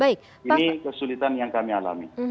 ini kesulitan yang kami alami